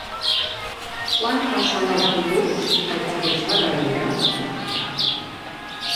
Quan passa l'autobús pel carrer Ferreria?